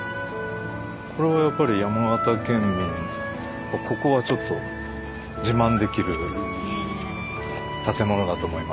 これはやっぱり山形県民がここはちょっと自慢できる建物だと思います。